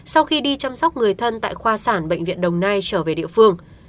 sau khi đi chăm sóc người thân tại khoa sản bệnh viện đồng nai trở về địa phương